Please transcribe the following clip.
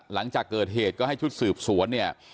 หลังจากเกิดเหตุก็ให้ชุดสืบสวนเนี่ย